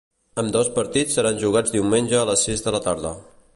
Ambdós partits seran jugats diumenge a les sis de la tarda.